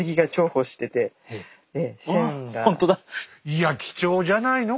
いや貴重じゃないの？